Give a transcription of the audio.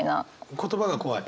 言葉が怖い。